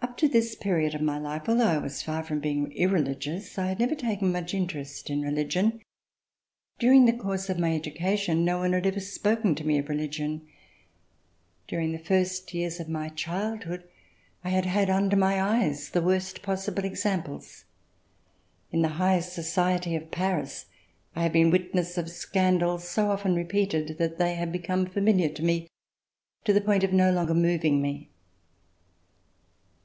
Up to this period of my life, although I was far from being irreligious, I had never taken much inter est in religion. During the course of my education, no one had ever spoken to me of religion. During the first years of my childhood I had had, under my eyes, the worst possible examples. In the high society of Paris, I had been witness of scandals, so often re peated, that they had become familiar to me to the point of no longer moving me.